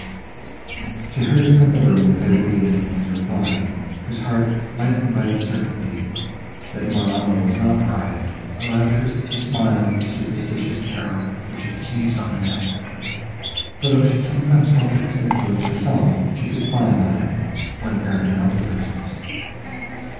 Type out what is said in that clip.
She hurried from the room, without waiting Emily's reply, whose heart, lightened by the certainty, that Morano was not arrived, allowed her to smile at the superstitious terror, which had seized on Annette; for, though she sometimes felt its influence herself, she could smile at it, when apparent in other persons.